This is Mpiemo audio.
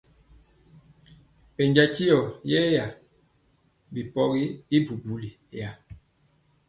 Pɛnja ntyimɔ yɛɛya bi pɔgi y bubuya ri.